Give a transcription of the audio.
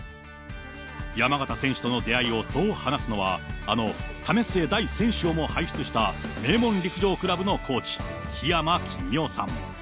山縣選手との出会いをそう話すのは、あの為末大選手をも輩出した名門陸上クラブのコーチ、日山君代さん。